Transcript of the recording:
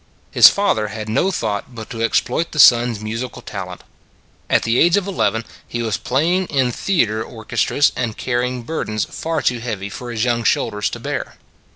His father had no thought but to ex ploit the son s musical talent. At the age of eleven he was playing in theater or 107 io8 It s a Good Old World chestras and carrying burdens far too heavy for his young shoulders to bear.